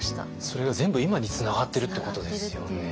それが全部今につながってるっていうことですよね。